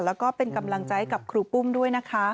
แล้วก็เป็นกำลังใจกับครูปุ้มด้วยนะคะ